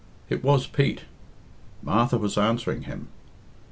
It was Pete. Martha was answering him.